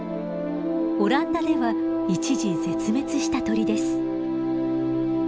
オランダでは一時絶滅した鳥です。